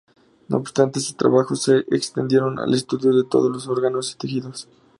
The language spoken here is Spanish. No obstante, sus trabajos se extendieron al estudio de todos los órganos y tejidos.